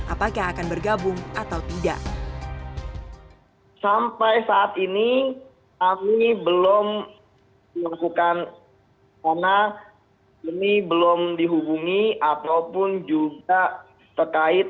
apakah akan bergabung atau tidak